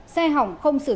một xe hỏng không sử dụng